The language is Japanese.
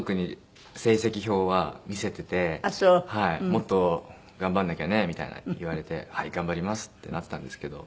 「もっと頑張んなきゃね」みたいなのを言われて「はい頑張ります」ってなってたんですけど。